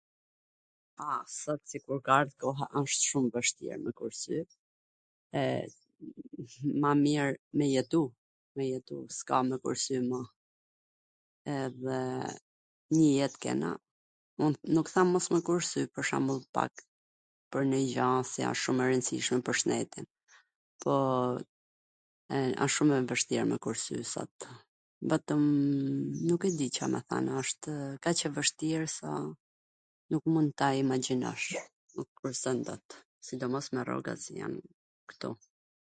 A, sot si kur ka ardh koha, wsht shum vwshtir me kursy, e, ma mir me jetu, s ka me kursy ma, edhe njw jet kena, nuk them mos me kursy, pwr shwmbull, pak, pwr nonj gjo qw asht shum e rwndsishme pwr shnetin, po wsht shum e vwshtir me kursy sot, vetwm nuk e di Ca me than, wshtw kaq e vwshtir sa nuk mund ta imagjinosh, nuk kursen dot, sidomos me rrogat si jan ktu.